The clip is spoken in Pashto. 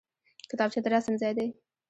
کتابچه د رسم ځای دی